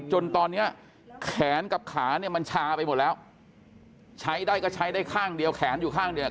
จนตอนนี้แขนกับขาเนี่ยมันชาไปหมดแล้วใช้ได้ก็ใช้ได้ข้างเดียวแขนอยู่ข้างเดียว